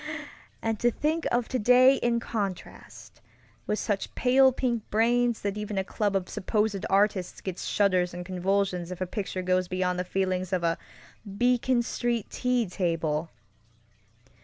And to think of today in contrast, with such pale pink brains that even a club of supposed artists gets shudders and convulsions if a picture goes beyond the feelings of a Beacon Street tea table!